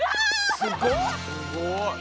すごい。